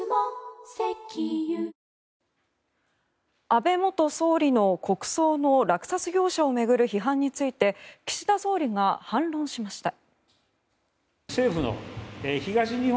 安倍元総理の国葬の落札業者を巡る批判について岸田総理が反論しました。